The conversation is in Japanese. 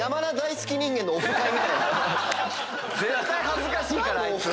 恥ずかしいからあいつ。